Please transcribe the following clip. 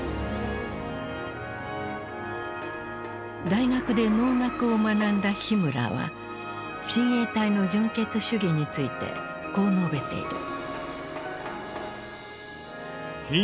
大学で農学を学んだヒムラーは親衛隊の純血主義についてこう述べている。